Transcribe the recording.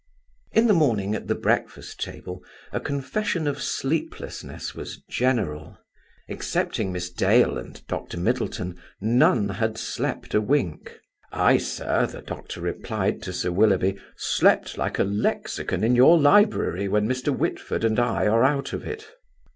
In the morning, at the breakfast table, a confession of sleeplessness was general. Excepting Miss Dale and Dr. Middleton, none had slept a wink. "I, sir," the Doctor replied to Sir Willoughby, "slept like a lexicon in your library when Mr. Whitford and I are out of it."